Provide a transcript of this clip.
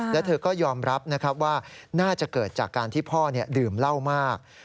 แล้วเธอก็ยอมรับนะครับว่าน่าจะเกิดจากการที่พ่อดื่มเหล้ามาก